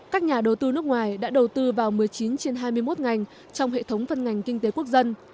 các nhà đầu tư nước ngoài đã đầu tư vào một mươi chín trên hai mươi một ngành trong hệ thống phân ngành kinh tế quốc dân